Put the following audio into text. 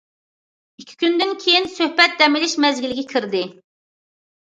ئىككى كۈندىن كېيىن سۆھبەت دەم ئېلىش مەزگىلىگە كىردى.